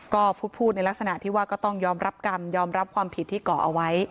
ก็พูดในลักษณะที่ว่าก็ต้องยอมรับกรรมยอมรับความผิดที่ก่อเอาไว้